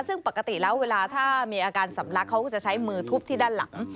ซึ่งปกติแล้วเวลาถ้ามีอาการสำลักเขาก็จะใช้มือทุบที่ด้านหลัง